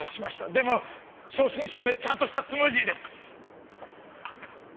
でも正真正銘ちゃんとしたスムージーです！